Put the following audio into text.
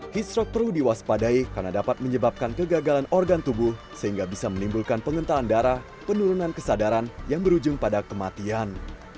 heat stroke perlu diwaspadai karena dapat menyebabkan kegagalan organ tubuh sehingga bisa menimbulkan pengentalan darah penurunan kesadaran yang berujung pada kematian